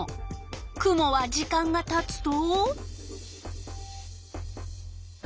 雲は時間がたつと？